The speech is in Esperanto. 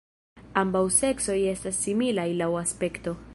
Ambaŭ seksoj estas similaj laŭ aspekto.